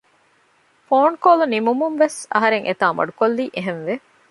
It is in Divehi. ފޯނުކޯލު ނިމުމުން ވެސް އަހަރެން އެތާ މަޑުކޮއްލީ އެހެނެްވެ